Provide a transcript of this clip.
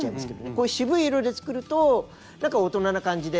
こう渋い色で作ると大人な感じで。